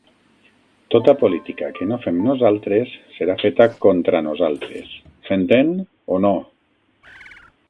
Tota política que no fem nosaltres serà feta contra nosaltres. S'entèn, o no?